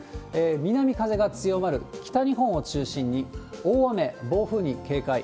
南風が強まる北日本を中心に大雨、暴風に警戒。